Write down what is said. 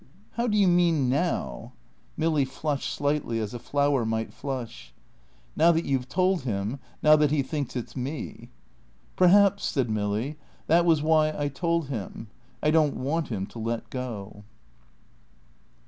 "How do you mean now?" Milly flushed slightly as a flower might flush. "Now that you've told him, now that he thinks it's me." "Perhaps," said Milly, "that was why I told him. I don't want him to let go."